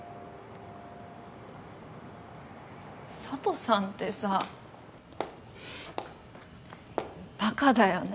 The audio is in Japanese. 佐都さんってさバカだよね。